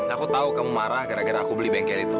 aku tahu kamu marah gara gara aku beli bengkel itu